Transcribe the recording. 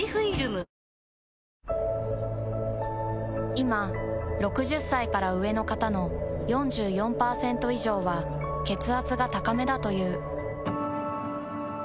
いま６０歳から上の方の４４％以上は血圧が高めだという。